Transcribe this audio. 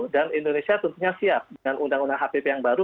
dan indonesia tentunya siap dengan undang undang hpp yang baru